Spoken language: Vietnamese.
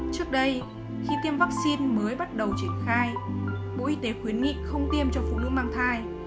trước đây khi tiêm vaccine mới bắt đầu triển khai bộ y tế khuyến nghị không tiêm cho phụ nữ mang thai